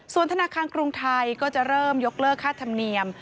ส่วนธนาคารกรุงไทยก็จะเริ่มยกเลิกค่าธรรมเนียม